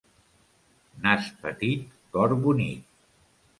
Nas petit, cor bonic.